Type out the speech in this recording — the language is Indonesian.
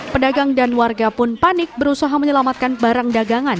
pedagang dan warga pun panik berusaha menyelamatkan barang dagangan